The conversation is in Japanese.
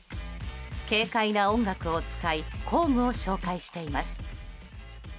軽快な音楽を使い公務を紹介しています。